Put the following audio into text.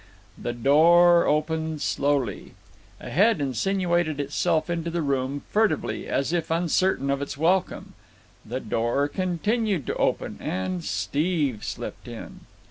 The door opened slowly. A head insinuated itself into the room, furtively, as if uncertain of its welcome. The door continued to open and Steve slipped in.